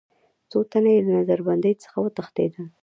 څو تنه یې له نظر بندۍ څخه وتښتېدل.